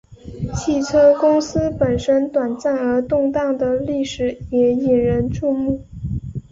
汽车公司本身短暂而动荡的历史也引人注目。